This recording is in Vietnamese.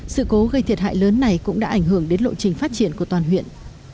sự cố gây thiệt hại lớn này cũng đã ảnh hưởng đến lộ trình phát triển của toàn huyện